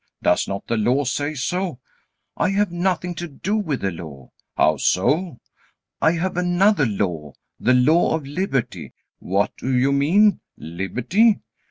Does not the Law say so?" "I have nothing to do with the Law." "How so?" "I have another law, the law of liberty." "What do you mean 'liberty'?"